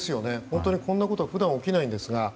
本当に、こんなこと普段、起きないんですが。